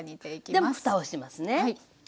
でふたをしますね。